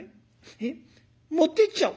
えっ持ってっちゃおう」。